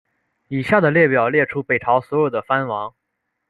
以下的列表列出北朝所有的藩王。